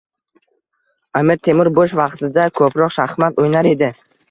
Amir Temur bo‘sh vaqtida ko‘proq shaxmat o‘ynar edi